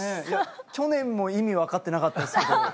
去年も意味分かってなかったですけど。